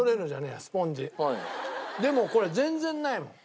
でもこれ全然ないもん。